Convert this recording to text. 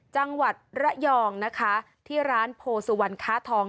จังหวัดระยองนะคะที่ร้านโพสุวรรณค้าทอง